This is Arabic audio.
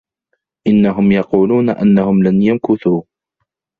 إنهم يقولون أنهم لن يمكثوا.